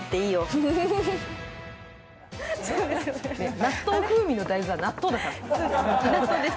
納豆風味の大豆は納豆だから。